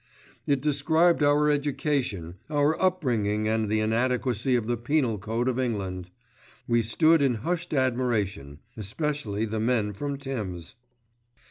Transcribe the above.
It described our education, our up bringing and the inadequacy of the penal code of England. We stood in hushed admiration, especially the men from Tim's.